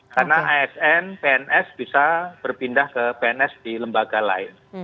karena asn pns bisa berpindah ke pns di lembaga lain